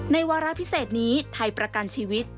วาระพิเศษนี้ไทยประกันชีวิต